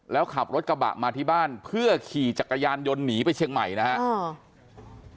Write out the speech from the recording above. แล้วขับรถกระบะมาที่บ้านเพื่อขี่จักรยานยนต์หนีไปเชียงใหม่นะครับ